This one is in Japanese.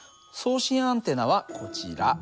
送信アンテナはこちら。